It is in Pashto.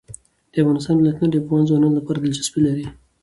د افغانستان ولايتونه د افغان ځوانانو لپاره دلچسپي لري.